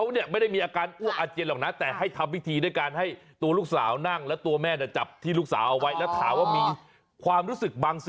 เดี๋ยวคนไหนหมอปลาแป๊บนึง